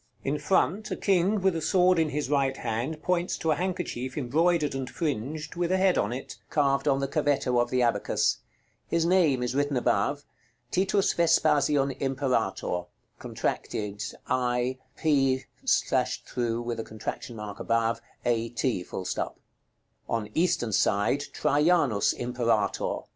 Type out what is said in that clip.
In front, a king with a sword in his right hand points to a handkerchief embroidered and fringed, with a head on it, carved on the cavetto of the abacus. His name is written above, "TITUS VESPASIAN IMPERATOR" (contracted [Illustration: IPAT.]). On eastern side, "TRAJANUS IMPERATOR."